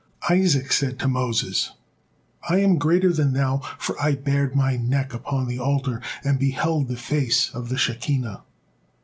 Isaac said to Moses: "I am greater than thou, for I bared my neck upon the altar and beheld the Face of the Shekinah."